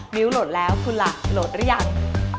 นิ้วโหลดแล้วคุณหลักโหลดเรียก